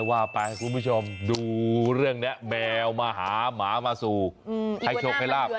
ว่าไปดูเรื่องนี้แมวหมาหมาสูก